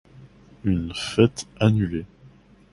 Une fête annulée